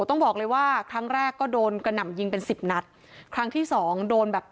ต้องบอกเลยว่าครั้งแรกก็โดนกระหน่ำยิงเป็นสิบนัดครั้งที่สองโดนแบบ